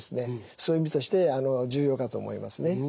そういう意味として重要かと思いますね。